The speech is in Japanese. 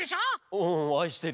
ううんあいしてる。